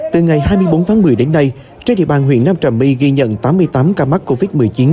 từ ngày hai mươi bốn tháng một mươi đến nay trên địa bàn huyện nam trà my ghi nhận tám mươi tám ca mắc covid một mươi chín